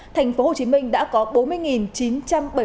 tp hcm đã có bốn mươi chín trăm linh ca